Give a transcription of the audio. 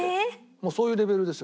もうそういうレベルですよ。